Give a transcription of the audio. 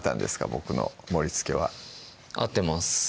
僕の盛りつけは合ってます